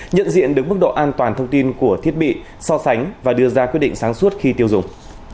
nhận diện được mức độ an toàn thông tin của thiết bị so sánh và đưa ra quyết định sáng suốt khi tiêu dùng